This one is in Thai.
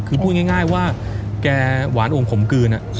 คือพูดง่ายว่าแกหวานองขมกลืน